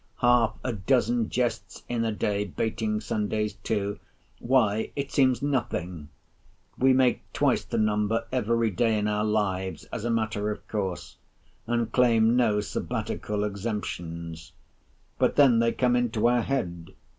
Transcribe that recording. Half a dozen jests in a day (bating Sundays too), why, it seems nothing! We make twice the number every day in our lives as a matter of course, and claim no Sabbatical exemptions. But then they come into our head.